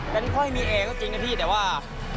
เป็นปล่อยมีแอร์ก็จริงนะพี่แต่ว่า